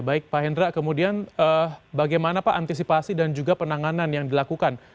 baik pak hendra kemudian bagaimana pak antisipasi dan juga penanganan yang dilakukan